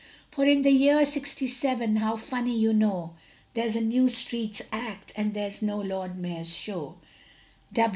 For in the year '67, how funny you know, There's a New Streets Act, and there's no Lord Mayor's Show.